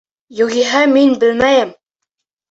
Юғиһә, мин белмәйем!..